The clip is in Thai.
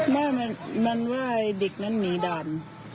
ว่ามันว่าไอ้เด็กนั้นหนีด่าน